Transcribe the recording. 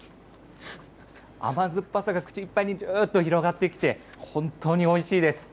甘酸っぱさが口いっぱいにぐーっと広がってきて、本当においしいです。